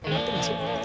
ngerti gak sih